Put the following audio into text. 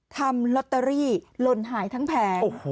ทำลอตเตอรี่หล่นหายทั้งแผง